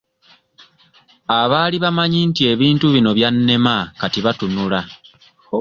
Abaali bamanyi nti ebintu bino byannema kati batunula.